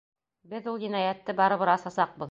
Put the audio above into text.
Беҙ ул енәйәтте барыбер асасаҡбыҙ...